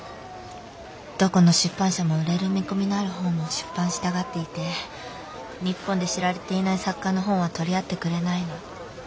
どこの出版社も売れる見込みのある本を出版したがっていて日本で知られていない作家の本は取り合ってくれないの。